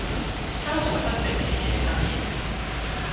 加上不定期嘅測驗